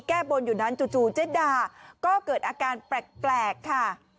แก้บนอยู่นั้นจู่เจ๊ดาก็เกิดอาการแปลกค่ะ